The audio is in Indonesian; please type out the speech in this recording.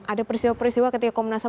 ada peristiwa peristiwa ketika komnas ham